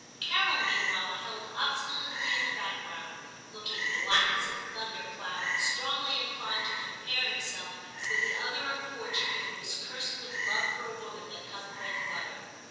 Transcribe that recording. Carol meanwhile held obstinately in the background, looking black as a thunder cloud, and strongly inclined to compare himself with the other unfortunate who was cursed with love for a woman that cut bread and butter.